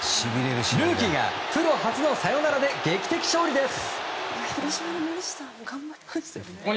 ルーキーがプロ初のサヨナラで劇的勝利です。